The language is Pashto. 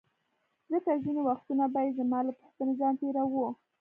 ځکه ځیني وختونه به یې زما له پوښتنې ځان تیراوه.